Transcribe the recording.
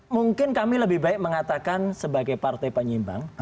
mungkin kami lebih baik mengatakan sebagai partai penyimbang